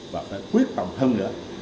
và phải quyết tầm thân nữa